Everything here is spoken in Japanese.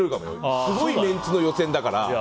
すごいメンツの予選だから。